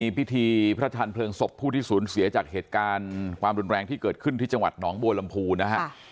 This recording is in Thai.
พิธีพระทันเพลิงศพผู้ที่สูญเสียจากเหตุการณ์ความรุนแรงที่เกิดขึ้นที่จังหวัดหนองบัวลำพูนะฮะ